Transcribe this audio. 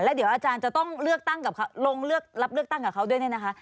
เดี๋ยวอาจารย์จะต้องเลือกตั้งกับเขาลงรับเลือกตั้งกับเขาด้วยเนี่ยนะคะ